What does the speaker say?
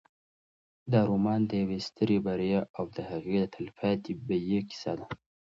دا رومان د یوې سترې بریا او د هغې د تلپاتې بیې کیسه ده.